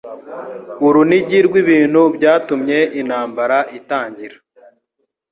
Urunigi rw'ibintu byatumye intambara itangira.